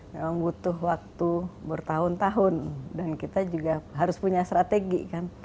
memang butuh waktu bertahun tahun dan kita juga harus punya strategi kan